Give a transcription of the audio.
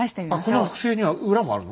この複製には裏もあるの？